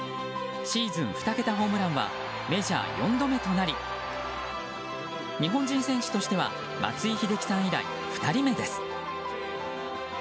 シーズン２桁ホームランはメジャー４度目となり日本人選手としては松井秀喜さん以来２人目です。